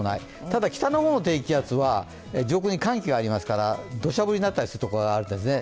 ただ北の方の低気圧は上空に寒気がありますからどしゃ降りになったりするところがあるんですね。